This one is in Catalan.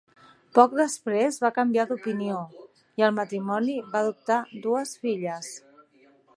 Poc després va canviar d'opinió, i el matrimoni va adoptar dues filles.